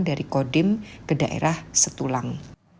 dari kodim ke daerah setulang